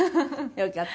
よかった。